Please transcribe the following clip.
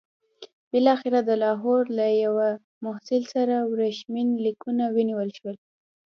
بالاخره د لاهور له یوه محصل سره ورېښمین لیکونه ونیول شول.